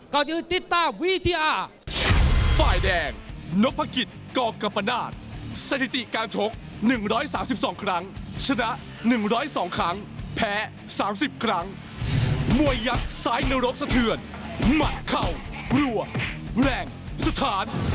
ก็ยืนติดตามวิทยา